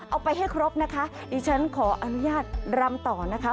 เอาไปให้ครบนะคะดิฉันขออนุญาตรำต่อนะคะ